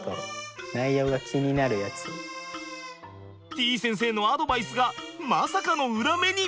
てぃ先生のアドバイスがまさかの裏目に！